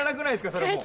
それもう。